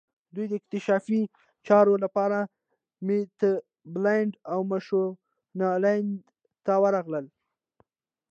دوی د اکتشافي چارو لپاره میتابالنډ او مشونالند ته ورغلل.